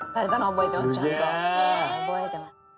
覚えてます。